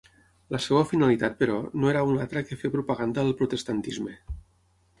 La seva finalitat, però, no era una altra que fer propaganda del protestantisme.